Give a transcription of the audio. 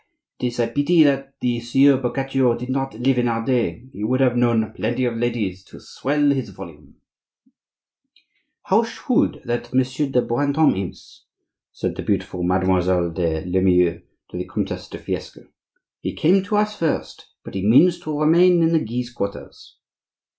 "It is a pity that the Sieur Boccaccio did not live in our day; he would have known plenty of ladies to swell his volume—" "How shrewd that Monsieur de Brantome is," said the beautiful Mademoiselle de Limueil to the Comtesse de Fiesque; "he came to us first, but he means to remain in the Guise quarters."